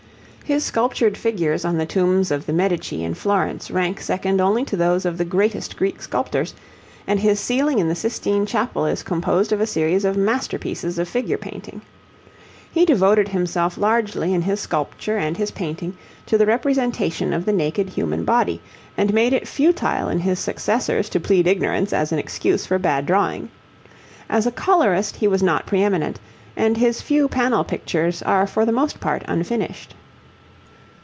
His sculptured figures on the tombs of the Medici in Florence rank second only to those of the greatest Greek sculptors, and his ceiling in the Sistine Chapel is composed of a series of masterpieces of figure painting. He devoted himself largely in his sculpture and his painting to the representation of the naked human body, and made it futile in his successors to plead ignorance as an excuse for bad drawing. As a colourist he was not pre eminent, and his few panel pictures are for the most part unfinished.